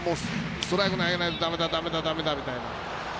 ストライク投げないとだめだみたいな。